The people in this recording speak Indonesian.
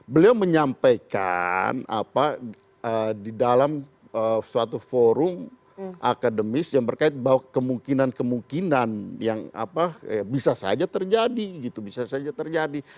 beliau menyampaikan di dalam suatu forum akademis yang berkait bahwa kemungkinan kemungkinan yang bisa saja terjadi